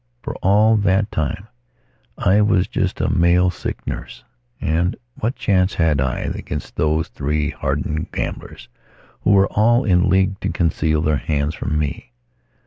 For, all that time, I was just a male sick nurse. And what chance had I against those three hardened gamblers, who were all in league to conceal their hands from me?